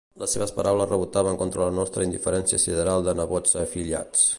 Les seves paraules rebotaven contra la vostra indiferència sideral de nebots afillats.